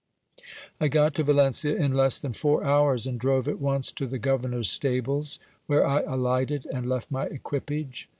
I got to Valencia in less than four hours, and drove at once to the governor's stables, where I alighted and left my equipage.